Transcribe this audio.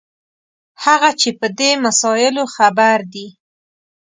هغه چې په دې مسایلو خبر دي.